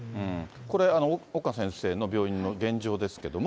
これ、岡先生の病院の現状ですけれども。